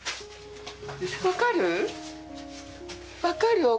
分かる？